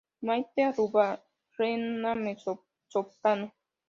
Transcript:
Maite Arruabarrena, mezzosoprano.